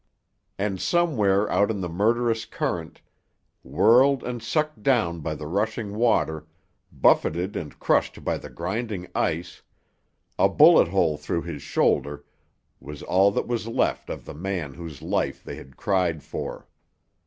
And somewhere out in the murderous current, whirled and sucked down by the rushing water, buffeted and crushed by the grinding ice, a bullet hole through his shoulder, was all that was left of the man whose life they had cried for.